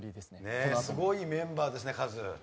すごいメンバーですねカズ。